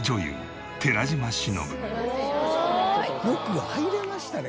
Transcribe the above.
よく入れましたね